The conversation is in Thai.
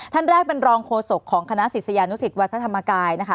ท่านแรกเป็นรองโฆษกของคณะศิษยานุสิตวัดพระธรรมกายนะคะ